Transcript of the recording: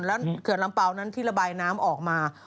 แล้วเขื่อนลำเปล่านั้นที่ระบายน้ำออกมา